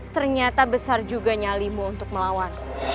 ternyata besar juga nyali mu untuk melawan